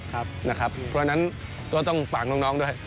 เพราะฉะนั้นก็ต้องฝากน้องด้วย